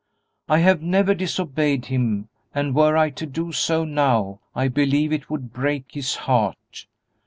I have never disobeyed him, and were I to do so now I believe it would break his heart.